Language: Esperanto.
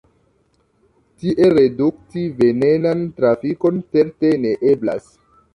Tiel redukti venenan trafikon certe ne eblas.